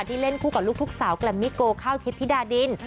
เล่นคู่กับลูกทุกสาวแกรมมิโกข้าวทิพย์ธิดาดิน